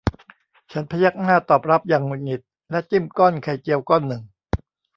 ฉันพยักหน้าตอบรับอย่างหงุดหงิดและจิ้มก้อนไข่เจียวก้อนหนึ่ง